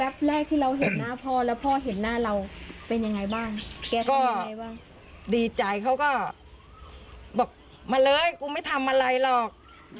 บอกมาเลยกูไม่ทำอะไรหรอก